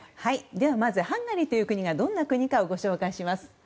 まずハンガリーという国がどんな国かご紹介します。